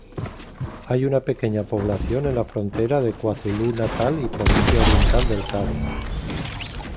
Hay una pequeña población en la frontera de KwaZulu-Natal y Provincia Oriental del Cabo.